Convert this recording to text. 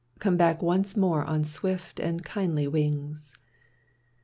Come back once more on swift and kindly wings.